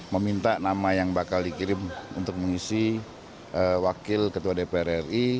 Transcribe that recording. meminta nama yang bakal dikirim untuk mengisi wakil ketua dpr ri